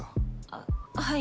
あっはい。